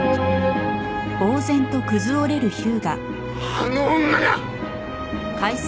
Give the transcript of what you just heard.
あの女が！